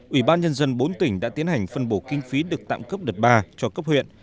ủy ban nhân dân bốn tỉnh đã tiến hành phân bổ kinh phí được tạm cấp đợt ba cho cấp huyện